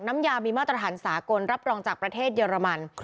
น้ำยามีมาตรฐานสากลรับรองจากประเทศเยอรมัน